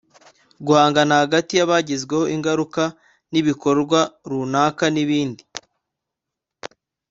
guhangana hagati y’abagizweho ingaruka n’ibikorwa runaka n’ibindi